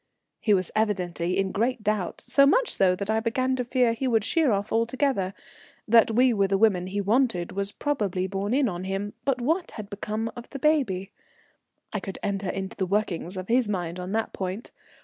He was evidently in great doubt, so much so that I began to fear he would sheer off altogether. That we were the women he wanted was probably borne in on him, but what had become of the baby? I could enter into the workings of his mind on that point.